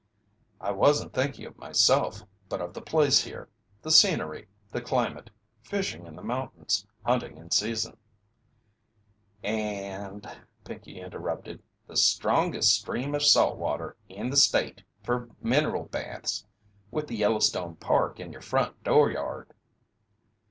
"I wasn't thinking of myself, but of the place here the scenery the climate fishing in the mountains hunting in season " "And" Pinkey interrupted "the strongest stream of salt water in the state fer mineral baths, with the Yellowstone Park in your front dooryard!"